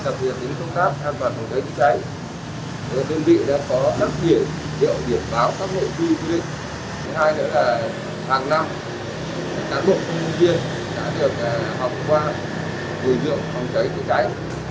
cái hai nữa là hàng năm các bộ công viên đã được học qua người dưỡng phòng cháy chữa cháy